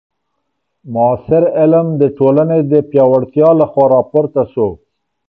معاصر علم د ټولني د پیاوړتیا له خوا راپورته سو.